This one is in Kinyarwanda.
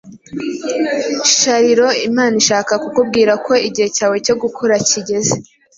Sharilo, Imana irashaka kukubwira ko igihe cyawe cyo gukura cyigeze